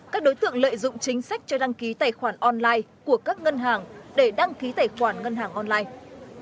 các đối tượng lợi dụng chính sách cho đăng ký tài khoản online của các ngân hàng để đăng ký tài khoản ngân hàng online